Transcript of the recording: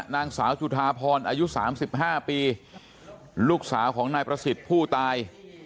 นางสาวจุธาพรอายุ๓๕ปีลูกสาวของนายประสิทธิ์ผู้ตาย